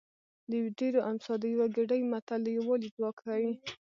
د ډېرو امسا د یوه ګېډۍ متل د یووالي ځواک ښيي